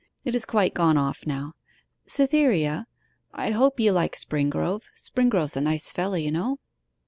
It has quite gone off now... Cytherea, I hope you like Springrove. Springrove's a nice fellow, you know.